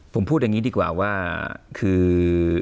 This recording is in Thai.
ผมพูดอย่างนี้ดีกว่าว่าคือ